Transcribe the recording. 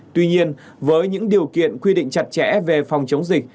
tuy nhiên với những điều kiện quy định chặt chẽ về phòng chống dịch